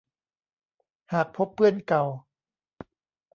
หากพบเพื่อนเก่า